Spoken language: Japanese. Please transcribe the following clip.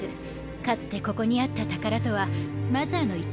かつてここにあった宝とはマザーの一部でした。